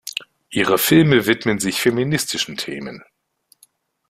Ihre Filme widmen sich feministischen Themen.